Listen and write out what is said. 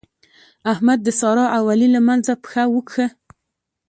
احمد د سارا او علي له منځه پښه وکښه.